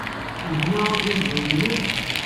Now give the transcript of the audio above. Medden-a akk d imidiwen-nnem?